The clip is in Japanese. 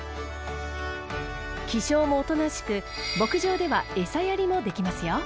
気性もおとなしく牧場では餌やりもできますよ。